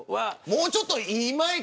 もうちょっといい